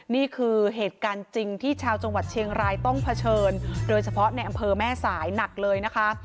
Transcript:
นี่คือเหตุการณ์จริงที่ชาวจังหวัดเชียงรายต้องเผชิญโดยเฉพาะในอำเภอแม่สายหนักเลยนะคะ